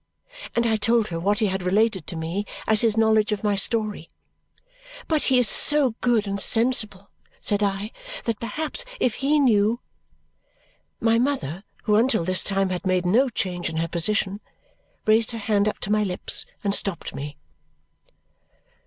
And I told her what he had related to me as his knowledge of my story. "But he is so good and sensible," said I, "that perhaps if he knew " My mother, who until this time had made no change in her position, raised her hand up to my lips and stopped me.